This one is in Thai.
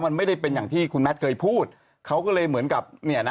มันไม่ได้เป็นอย่างที่คุณแมทเคยพูดเขาก็เลยเหมือนกับเนี่ยนะ